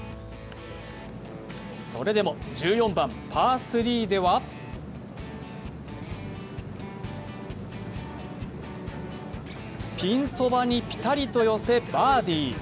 それでも１４番パー３ではピンそばにピタリと寄せ、バーディー。